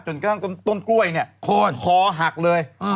จนกระทั่งต้นกล้วยโค้งหักเลย